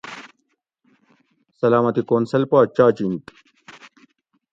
سلامتی کونسل پا چاجِنت